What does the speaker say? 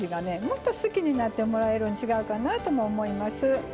もっと好きになってもらえるん違うかなぁとも思います。